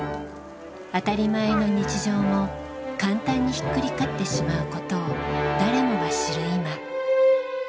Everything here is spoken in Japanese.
「当たり前の日常」も簡単にひっくり返ってしまうことを誰もが知る今。